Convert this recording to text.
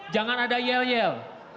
jangan ada yel yel